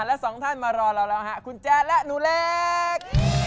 และสองท่านมารอเราร้องหาคุณแจ๊ดและหนูเล็ก